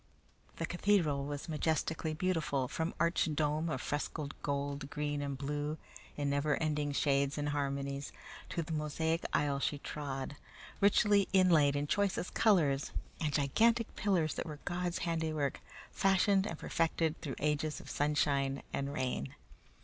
The cathedral was majestically beautiful, from arched dome of frescoed gold, green, and blue in never ending shades and harmonies, to the mosaic aisle she trod, richly inlaid in choicest colors, and gigantic pillars that were God's handiwork fashioned and perfected through ages of sunshine and rain.